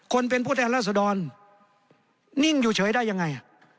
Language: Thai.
เป็นผู้แทนราษดรนิ่งอยู่เฉยได้ยังไง